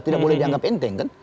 tidak boleh dianggap enteng kan